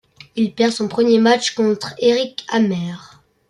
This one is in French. Il perd son premier match contre Eric Hammer.